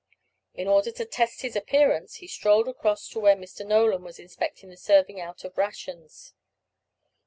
In order to test his appearance, he strolled across to where Mr. Nolan was inspecting the serving out of rations.